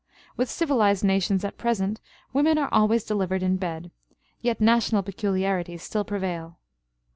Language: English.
With civilized nations at present women are always delivered in bed; yet national peculiarities still prevail.